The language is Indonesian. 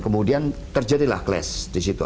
kemudian terjadilah class di situ